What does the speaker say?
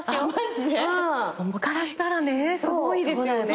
子供からしたらねすごいですよね。